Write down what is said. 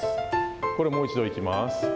これ、もう一度いきます。